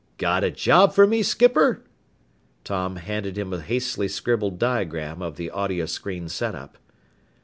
"Got a job for me, skipper?" Tom handed him a hastily scribbled diagram of the audio screen setup.